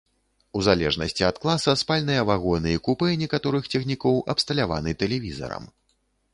У залежнасці ад класа спальныя вагоны і купэ некаторых цягнікоў абсталяваны тэлевізарам.